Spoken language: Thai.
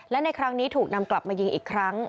และในครั้งนี้ถูกนำกลับมายิงอีกครั้ง